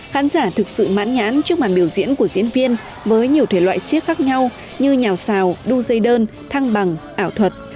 khán giả thực sự mãn nhãn trước màn biểu diễn của diễn viên với nhiều thể loại siếc khác nhau như nhào xào đu dây đơn thăng bằng ảo thuật